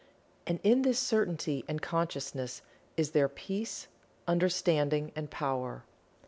And in this certainty and consciousness is there Peace, Understanding and Power.